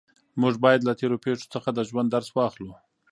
موږ باید له تېرو پېښو څخه د ژوند درس واخلو.